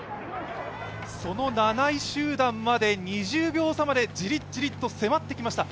その７位集団、２０秒差までジリジリと迫ってきました。